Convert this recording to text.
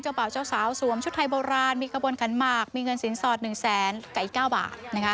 เบาเจ้าสาวสวมชุดไทยโบราณมีขบวนขันหมากมีเงินสินสอด๑แสนกับอีก๙บาท